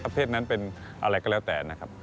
เพศนั้นเป็นอะไรก็แล้วแต่นะครับ